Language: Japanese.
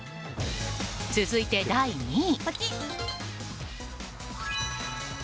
続いて、第２位。